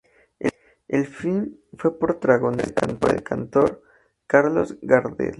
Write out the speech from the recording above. El film fue protagonizado por el cantor Carlos Gardel.